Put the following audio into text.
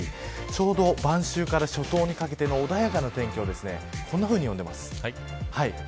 ちょうど晩秋から初冬にかけての穏やかな天気をこんなふうに呼んでいます。